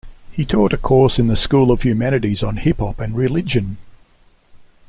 He taught a course in the School of the Humanities on Hip-Hop and Religion.